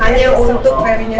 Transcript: hanya untuk peri nya rp sepuluh